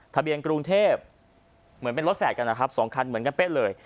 ทะเบียนกรุงเทพเหมือนเป็นรถแฝดกันนะครับ๒คันเหมือนกันเป๊ะเลย